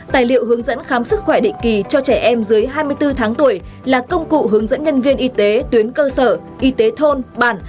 tài liệu hướng dẫn khám sức khỏe định kỳ cho trẻ em dưới hai mươi bốn tháng tuổi là công cụ hướng dẫn nhân viên y tế tuyến cơ sở y tế thôn bản